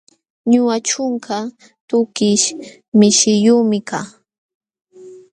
Ñuqa ćhunka tukish mishiyuqmi kaa.